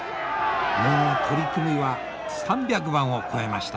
もう取組は３００番を超えました。